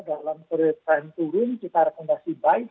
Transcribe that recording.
dalam trend turun kita rekomendasi baik